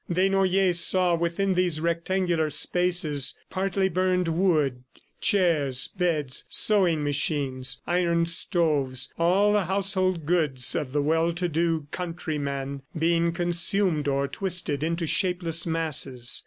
Desnoyers saw within these rectangular spaces partly burned wood, chairs, beds, sewing machines, iron stoves, all the household goods of the well to do countryman, being consumed or twisted into shapeless masses.